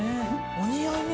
お似合いね